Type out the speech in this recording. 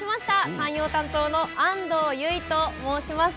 山陽担当の安藤結衣と申します。